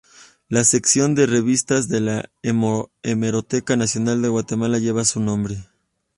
La sección de revistas de la Hemeroteca Nacional de Guatemala lleva su nombre.